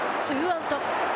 ツーアウト。